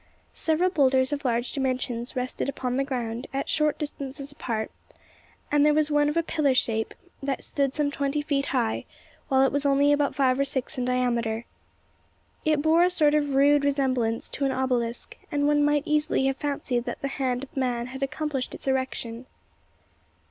Several boulders of large dimensions rested upon the ground, at short distances apart; and there was one of a pillar shape that stood some twenty feet high, while it was only about five or six in diameter. It bore a sort of rude resemblance to an obelisk; and one might easily have fancied that the hand of man had accomplished its erection.